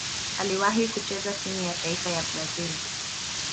Aliwahi kucheza timu ya taifa ya Brazil.